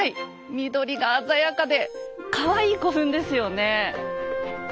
緑が鮮やかでかわいい古墳ですよね。